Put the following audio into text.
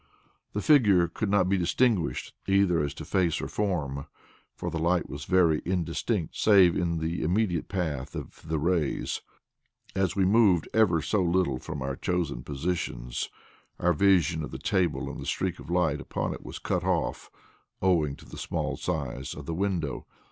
The figure could not be distinguished either as to face or form, for the light was very indistinct save in the immediate path of the rays. As we moved ever so little from our chosen positions, our vision of the table and the streak of light upon it was cut off, owing to the small size of the window.